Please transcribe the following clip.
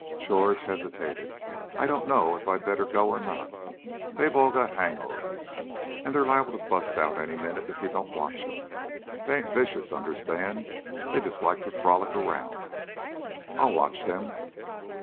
George hesitated. "I don't know if I'd better go or not. They've all got hang overs, and they're liable to bu'st out any minute if you don't watch them. They ain't vicious, understand; they just like to frolic around." "I'll watch them."